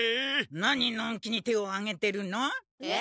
なにのんきに手をあげてるの？え？